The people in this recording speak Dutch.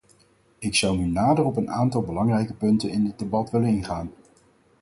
Ik zou nu nader op een aantal belangrijke punten in dit debat willen ingaan.